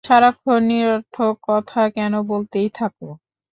সারাক্ষণ নিরর্থক কথা কেন বলতেই থাকো?